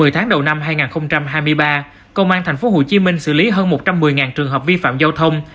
một mươi tháng đầu năm hai nghìn hai mươi ba công an tp hcm xử lý hơn một trăm một mươi trường hợp vi phạm giao thông